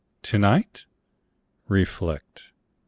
tonight? Reflect.